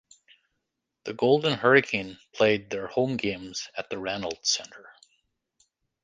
The Golden Hurricane played their home games at the Reynolds Center.